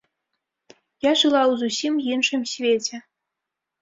Я жыла ў зусім іншым свеце.